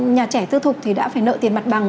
nhà trẻ tư thục thì đã phải nợ tiền mặt bằng